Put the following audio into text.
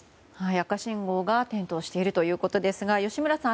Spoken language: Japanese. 赤信号が点灯しているということですが吉村さん